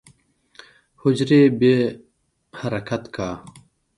حجرې به يې حرکت کا.